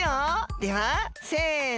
ではせの。